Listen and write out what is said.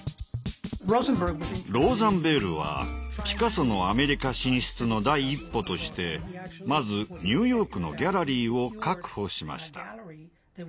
ローザンベールはピカソのアメリカ進出の第一歩としてまずニューヨークのギャラリーを確保しました。